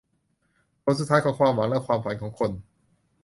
ผลสุดท้ายความหวังและความฝันของคน